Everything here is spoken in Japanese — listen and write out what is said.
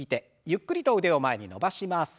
ゆっくりと腕を前に伸ばします。